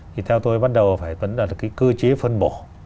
thì theo tôi bắt đầu phải vấn đề là cái cơ chế phân bổ